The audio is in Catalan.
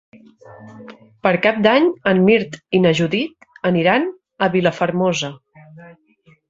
Per Cap d'Any en Mirt i na Judit aniran a Vilafermosa.